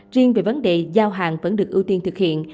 riêng về vấn đề giao hàng vẫn được ưu tiên thực hiện